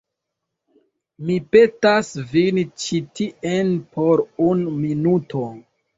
Mi petas vin ĉi tien por unu minuto.